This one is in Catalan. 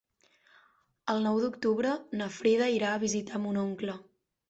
El nou d'octubre na Frida irà a visitar mon oncle.